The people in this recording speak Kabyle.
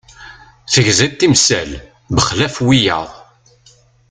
Tegziḍ timsal bexlaf wiyaḍ.